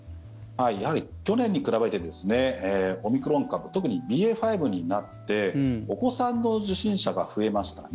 やはり去年に比べてオミクロン株特にＢＡ．５になってお子さんの受診者が増えました。